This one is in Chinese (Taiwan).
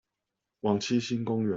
往七星公園